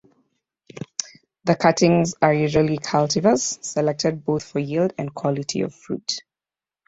The cuttings are usually cultivars, selected both for yield and quality of fruit.